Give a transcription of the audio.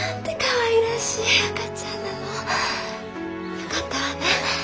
よかったわね。